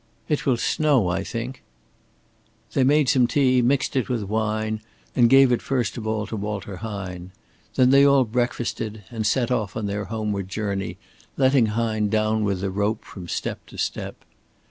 "It will snow, I think." They made some tea, mixed it with wine and gave it first of all to Walter Hine. Then they all breakfasted, and set off on their homeward journey, letting Hine down with the rope from step to step.